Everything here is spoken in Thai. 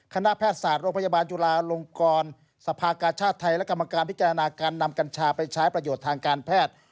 คณะแพทย์ศาสตร์โรงพยาบาลจุฬาลงกรสภากาชาติไทยและกรรมการพิจารณาการนำกัญชาไปใช้ประโยชน์ทางการแพทย์